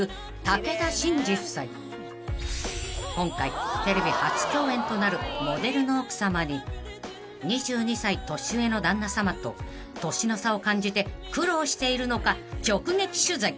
［今回テレビ初共演となるモデルの奥さまに２２歳年上の旦那さまと年の差を感じて苦労しているのか直撃取材］